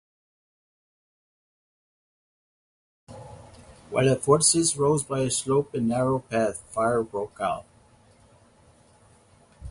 While the force rose by a slope and narrow path, fire broke out...